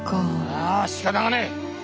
「はあしかたがねえ。